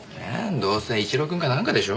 どうせ一郎くんかなんかでしょ？